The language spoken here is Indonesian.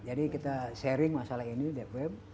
jadi kita sharing masalah ini deep web